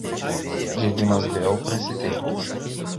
Žaidimas vėl prasidėjo.